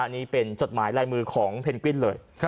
นี่เป็นจดหมายลายมือของเพนกวินเลย